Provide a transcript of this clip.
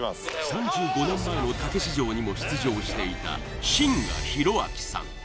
３５年前のたけし城にも出場していた信賀浩章さん